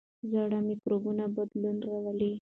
زاړه مایکروبیوم بدلون راولي.